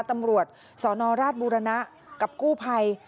ตำรวจสนราชบุรณะกับกู้ภัย